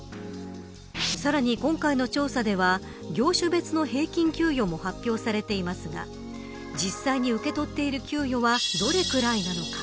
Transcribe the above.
さらに今回の調査では業種別の平均給与も発表されていますが実際に受け取っている給与はどれくらいなのか。